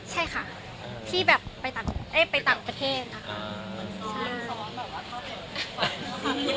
ใช่ค่ะที่แบบไปต่างประเทศนะคะ